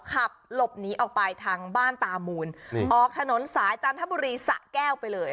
ขับหลบหนีออกไปทางบ้านตามูนออกถนนสายจันทบุรีสะแก้วไปเลย